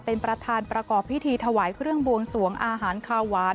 เป็นประธานประกอบพิธีถวายเครื่องบวงสวงอาหารคาหวาน